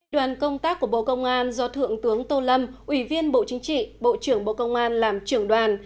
đoàn công tác của bộ công an do thượng tướng tô lâm ủy viên bộ chính trị bộ trưởng bộ công an làm trưởng đoàn